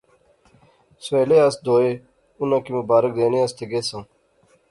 سویلے اس دوئے اُناں کی مبارک دینے آسطے گیساں